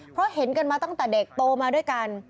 เพราะเห็นกันมาตั้งแต่เด็กโตมาด้วยกัน